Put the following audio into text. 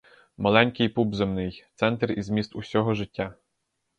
Маленький пуп земний — центр і зміст усього життя.